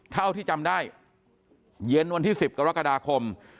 เท่าที่จำได้เย็นวันที่๑๐กรกฎาคม